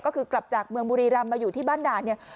ก็คือกลับจากเมืองบุรีรำมาอยู่ที่บ้านด่านเนี่ย